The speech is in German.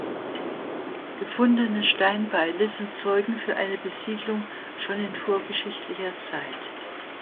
Gefundene Steinbeile sind Zeugen für eine Besiedlung schon in vorgeschichtlicher Zeit.